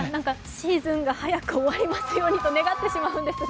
シーズンが早く終わりますようにと願ってしまうんですが。